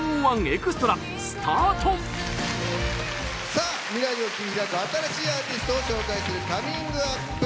さあ未来を切り開く新しいアーティストを紹介するカミングアップ。